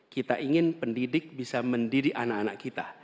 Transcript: kita ingin pendidik bisa mendidik anak anak kita